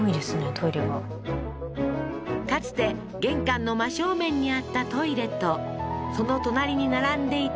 トイレがかつて玄関の真正面にあったトイレとその隣に並んでいた